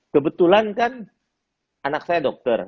kebetulan kan anak saya dokter